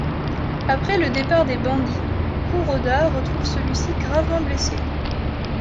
Après le départ des bandits, Kuroda retrouve celui-ci gravement blessé.